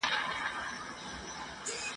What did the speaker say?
له هر شرنګه مار وهلی د زاهد کور به خراب وي !.